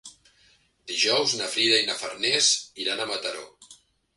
Dijous na Frida i na Farners iran a Mataró.